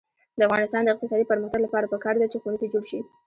د افغانستان د اقتصادي پرمختګ لپاره پکار ده چې ښوونځي جوړ شي.